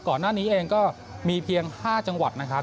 ก่อนหน้านี้เองก็มีเพียง๕จังหวัดนะครับ